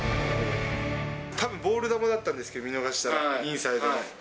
たぶんボール球だったんですけれども、見逃したら、インサイドの。